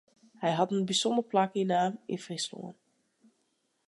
Hy hat in bysûnder plak ynnommen yn Fryslân.